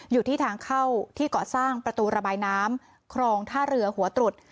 อยู่ที่ทางเข้าที่เกาะสร้างประตูระบายน้ำครองท่าเรือหัวตรุษ